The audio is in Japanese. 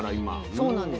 そうなんです。